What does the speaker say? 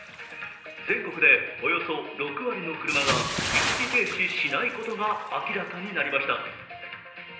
全国でおよそ６割の車が一時停止しないことが明らかになりました。